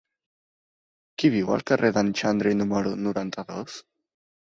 Qui viu al carrer d'en Xandri número noranta-dos?